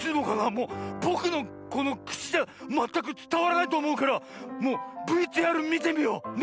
もうぼくのこのくちじゃまったくつたわらないとおもうからもうＶＴＲみてみよう。ね？